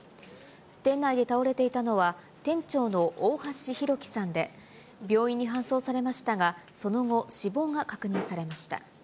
店内で倒れていたのは、店長の大橋弘輝さんで、病院に搬送されましたが、その後、死亡が確認されました。